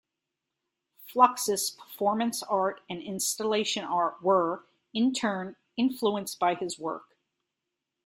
Fluxus, performance art, and installation art were, in turn, influenced by his work.